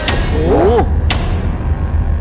โอ้โห